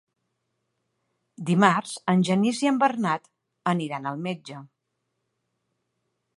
Dimarts en Genís i en Bernat aniran al metge.